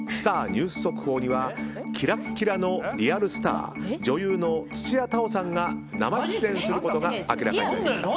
ニュース速報にはキラキラのリアルスター女優の土屋太鳳さんが生出演することが明らかになりました。